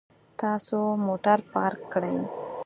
تاسو موټر پارک کړئ